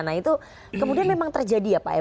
nah itu kemudian memang terjadi ya pak ya